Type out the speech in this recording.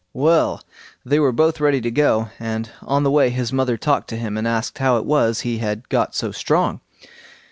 Well! they were both ready to go, and on the way his mother talked to him, and asked, "How it was he had got so strong?"